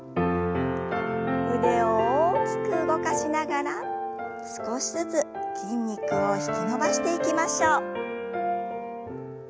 腕を大きく動かしながら少しずつ筋肉を引き伸ばしていきましょう。